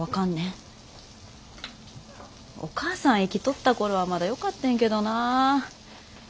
お母さん生きとった頃はまだよかったんやけどな。